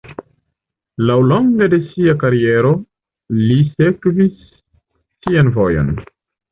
Laŭlonge de sia kariero, li "sekvis sian vojon".